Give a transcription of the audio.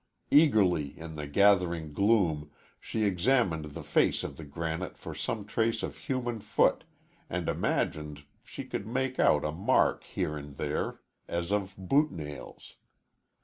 Eagerly in the gathering gloom she examined the face of the granite for some trace of human foot and imagined she could make out a mark here and there as of boot nails.